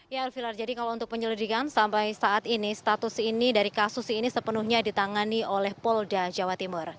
ya elvira jadi kalau untuk penyelidikan sampai saat ini status ini dari kasus ini sepenuhnya ditangani oleh polda jawa timur